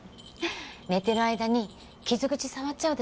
寝てる間に傷口触っちゃうでしょ